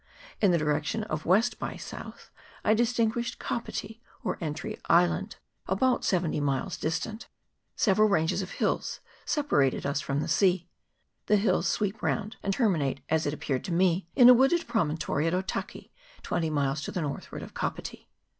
In the direction of west by south I distin guished Kapiti, or Entry Island, about seventy miles distant. Several ranges of hills separated us from the sea. The hills sweep round, and terminate, as it appeared to me, in a wooded promontory at Otaki, twenty miles to the northward of Kapiti.